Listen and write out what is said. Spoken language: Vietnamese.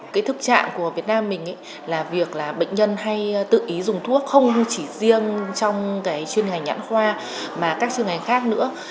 cái thực trạng của việt nam mình là việc là bệnh nhân hay tự ý dùng thuốc không chỉ riêng trong cái chuyên ngành nhãn khoa mà các chuyên ngành khác nữa